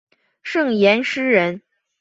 盛彦师人。